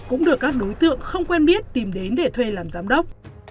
cũng được các đối tượng không quen biết tìm đến để thuê làm giám đốc